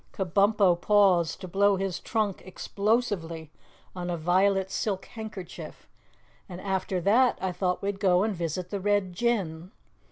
Kabumpo paused to blow his trunk explosively on a violet silk handkerchief. "And after that I thought we'd go and visit the Red Jinn."